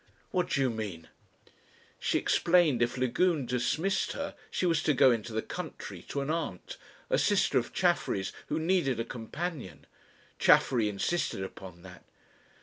"What do you mean?" She explained if Lagune dismissed her she was to go into the country to an aunt, a sister of Chaffery's who needed a companion. Chaffery insisted upon that.